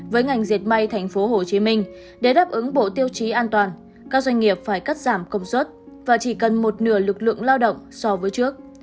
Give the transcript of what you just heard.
với ngành diệt may tp hcm để đáp ứng bộ tiêu chí an toàn các doanh nghiệp phải cắt giảm công suất và chỉ cần một nửa lực lượng lao động so với trước